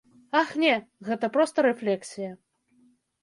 Ах, не, гэта проста рэфлексія.